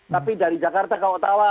tapi dari jakarta ke otawa